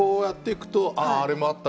あれもあった